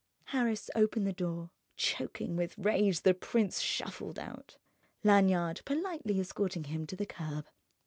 Harris opened the door. Choking with rage, the prince shuffled out, Lanyard politely escorting him to the curb.